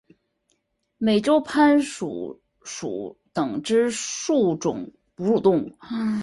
美洲攀鼠属等之数种哺乳动物。